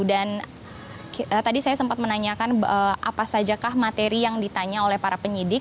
dan tadi saya sempat menanyakan apa saja materi yang ditanya oleh para penyidik